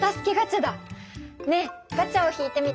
ねえガチャを引いてみて。